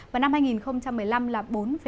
và năm hai nghìn một mươi năm là bốn năm